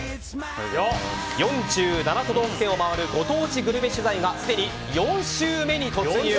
４７都道府県を回るご当地グルメ取材がすでに４周目に突入。